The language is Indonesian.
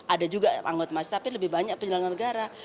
ada juga anggota mas tapi lebih banyak penyelenggara negara